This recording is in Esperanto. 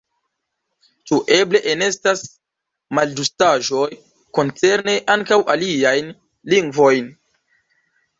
Ĉu eble enestas malĝustaĵoj koncerne ankaŭ aliajn lingvojn?